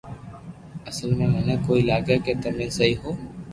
اسل مي مني ڪوئي لاگي ڪي تمي سھو ھون